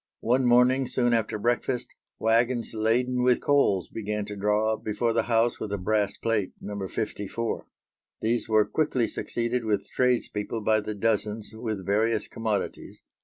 One morning, soon after breakfast, waggons laden with coals began to draw up before the house with the brass plate, No. 54. These were quickly succeeded with tradespeople by the dozen with various commodities.